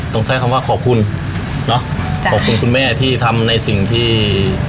ต้องใช้คำว่าขอบคุณเนาะขอบคุณคุณแม่ที่ทำในสิ่งที่